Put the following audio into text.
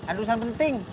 ada urusan penting